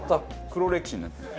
黒歴史になってる。